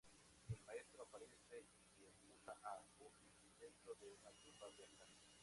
El Maestro aparece y empuja a Buffy dentro de una tumba abierta.